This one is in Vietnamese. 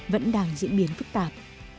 vẫn đang diễn biến phức tạp